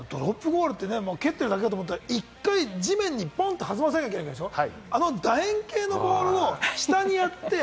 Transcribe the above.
ドロップゴールってね、蹴ってるだけかと思ったら、１回地面にポンッて弾ませなきゃいけないんでしょ？